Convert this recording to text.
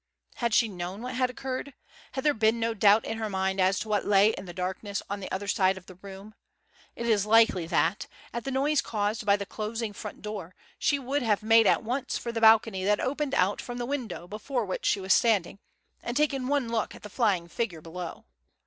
Had she known what had occurred had there been no doubt in her mind as to what lay in the darkness on the other side of the room it is likely that, at the noise caused by the closing front door, she would have made at once for the balcony that opened out from the window before which she was standing, and taken one look at the flying figure below.